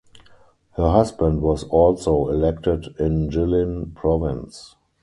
Her husband was also elected in Jilin Province.